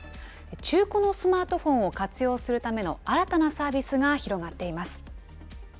中古のスマートフォンを活用するための新たなサービスが広がっています。